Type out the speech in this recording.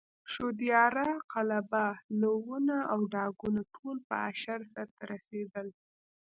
شودیاره، قلبه، لوونه او ډاګونه ټول په اشر سرته رسېدل.